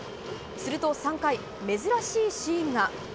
すると３回、珍しいシーンが。